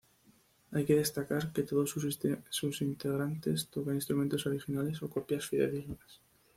Hay que destacar que todos sus integrantes tocan instrumentos originales o copias fidedignas.